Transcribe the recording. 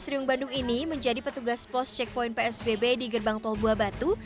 seriung bandung ini menjadi petugas pos cekpoin psbb di gerbang tolbuabatu